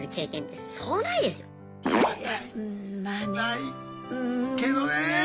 ないけどねえ！